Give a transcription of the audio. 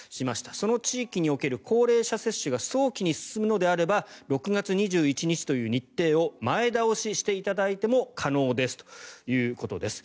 その地域における高齢者接種が早期に進むのであれば６月２１日という日程を前倒ししていただいても可能ですということです。